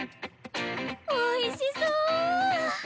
おいしそ！